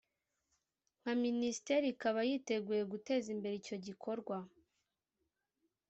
nka minisiteri ikaba yiteguye guteza imbere icyi gikorwa